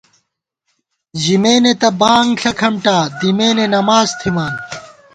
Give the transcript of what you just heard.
ژمېنےتہ بانگ ݪہ کھمٹا ، دِمېنے نماڅ تھِمان